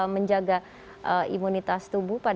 menjaga imunitas tubuh